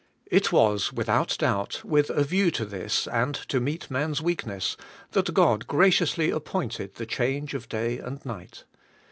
It was, without doubt, with a view to this and to meet man's weakness, that God graciously appointed the change of day and night.